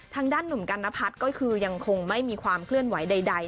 ทางด้านหนุ่มกัณพัฒน์ก็คือยังคงไม่มีความเคลื่อนไหวใด